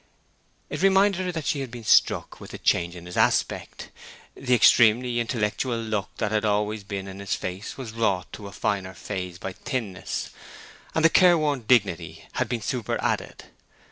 It reminded her that she had been struck with the change in his aspect; the extremely intellectual look that had always been in his face was wrought to a finer phase by thinness, and a care worn dignity had been superadded.